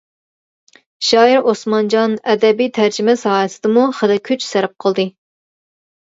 شائىر ئوسمانجان ئەدەبىي تەرجىمە ساھەسىدىمۇ خېلى كۈچ سەرپ قىلدى.